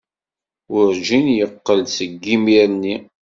Werjin yeqqel-d seg yimir-nni.